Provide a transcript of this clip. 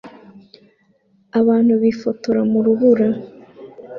Abantu bifotora mu rubura